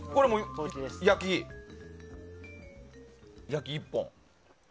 焼き一本。